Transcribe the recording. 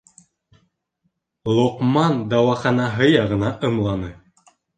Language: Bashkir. - Лоҡман дауаханаһы яғына ымланы.